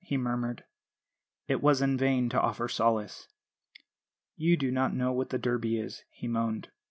he murmured. It was in vain to offer solace. "'You do not know what the Derby is,' he moaned.